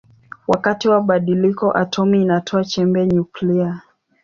Wakati wa badiliko atomi inatoa chembe nyuklia.